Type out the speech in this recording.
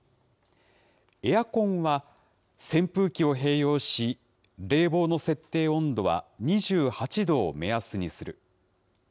エアコンは、扇風機を併用し、冷房の設定温度は２８度を目安にする。